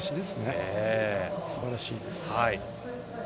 すばらしいです。